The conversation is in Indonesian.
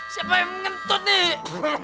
siapa yang mengentut nih